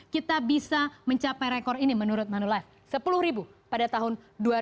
kita bisa mencapai rekor ini menurut manulife sepuluh ribu pada tahun dua ribu dua puluh